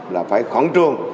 là phải khóng trương